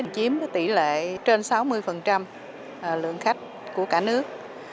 chiếm tỷ lệ trên sáu mươi lượng khách của cả nước